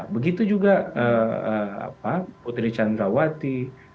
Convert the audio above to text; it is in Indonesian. begitu juga putri chandrawati